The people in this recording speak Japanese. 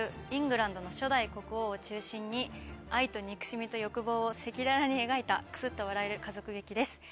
イングランドの初代国王を中心に愛と憎しみと欲望を赤裸々に描いたクスっと笑える家族劇です